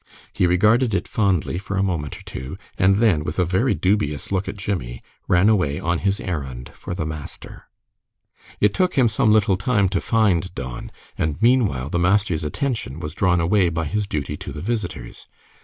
He regarded it fondly for a moment or two, and then, with a very dubious look at Jimmie, ran away on his errand for the master. It took him some little time to find Don, and meanwhile the master's attention was drawn away by his duty to the visitors.